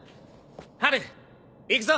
ハル行くぞ。